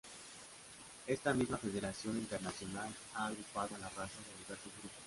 Esta misma federación internacional ha agrupado a las razas en diversos grupos.